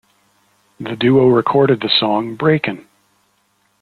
The duo recorded the song Breakin'...